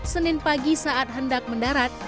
senin pagi saat hendak mendarat